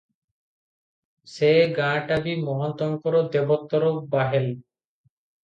ସେ ଗାଁଟା ବି ମହନ୍ତଙ୍କର ଦେବୋତ୍ତର ବାହେଲ ।